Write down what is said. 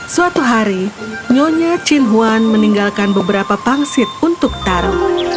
suatu hari nyonya chinhuan meninggalkan beberapa pangsit untuk taru